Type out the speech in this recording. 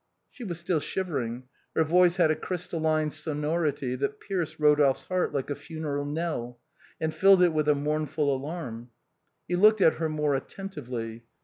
She was still shivering, her voice had a crystalline son ority that pierced Eodolphe's heart like a funeral knell, and filled it with a mournful alarm. He looked at her more attentively.